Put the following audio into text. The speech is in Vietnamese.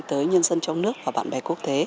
tới nhân dân trong nước và bạn bè quốc tế